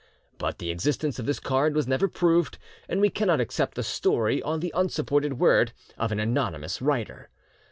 But the existence of this card was never proved, and we cannot accept the story on the unsupported word of an anonymous writer.